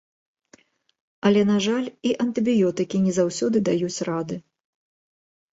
Але, на жаль, і антыбіётыкі не заўсёды даюць рады.